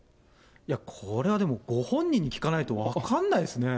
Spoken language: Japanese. いや、これはでもご本人に聞かないと分かんないですね。